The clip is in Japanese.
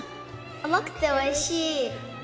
甘くておいしい。